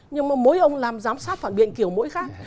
nhưng mà mỗi ông làm giám sát phản biện kiểu mũi khác